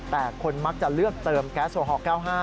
แต่คนมักจะเลือกเติมแก๊สโอฮอล๙๕